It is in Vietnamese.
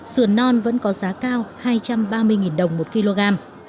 sườn non vẫn có giá cao hai trăm ba mươi đồng một kg